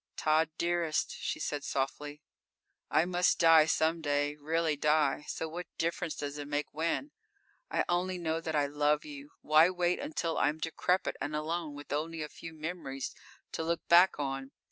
_ _"Tod, dearest," she said softly, "I must die some day, really die, so what difference does it make when? I only know that I love you. Why wait until I'm decrepit and alone, with only a few memories to look back on?